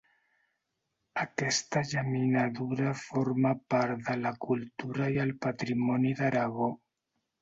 Aquesta llaminadura forma part de la cultura i el patrimoni d'Aragó.